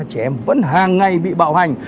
trẻ em vẫn hàng ngày bị bạo hành